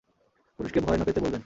পুলিশকে ভয় না পেতে বলবেন।